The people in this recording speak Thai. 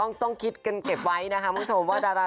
อันนี้เก็บไว้ก่อนไม่ต้องไว้ดีใจ